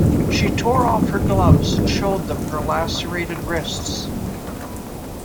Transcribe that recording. She tore off her gloves and showed them her lacerated wrists.